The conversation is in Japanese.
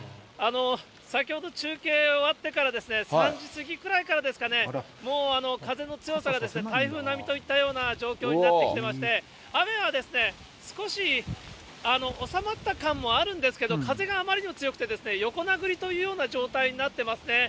先ほど中継終わってから、３時過ぎくらいからですかね、もう風の強さが台風並みといったような状況になってきてまして、雨は少し収まった感もあるんですけど、風があまりにも強くてですね、横殴りというような状態になってますね。